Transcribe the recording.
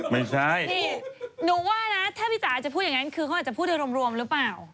ไม่ใช่นี่หนูว่านะถ้าพี่จ๋าอาจจะพูดอย่างนั้นคือเขาอาจจะพูดโดยรวมหรือเปล่า